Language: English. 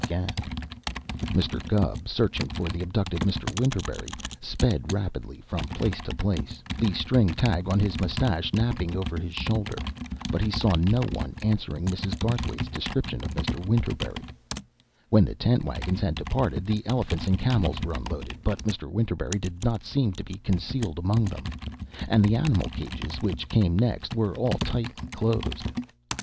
[Illustration: MR. WINTERBERRY DID NOT SEEM TO BE CONCEALED AMONG THEM] Mr. Gubb searching for the abducted Mr. Winterberry sped rapidly from place to place, the string tag on his mustache napping over his shoulder, but he saw no one answering Mrs. Garthwaite's description of Mr. Winterberry. When the tent wagons had departed, the elephants and camels were unloaded, but Mr. Winterberry did not seem to be concealed among them, and the animal cages which came next were all tightly closed.